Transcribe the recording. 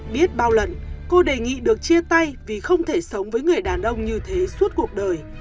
biết bao lần cô đề nghị được chia tay vì không thể sống với người đàn ông như thế suốt cuộc đời